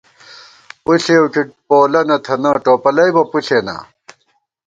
پُݪېؤ کی پولہ نہ تھنہ ، ٹوپَلئیبہ پُݪېناں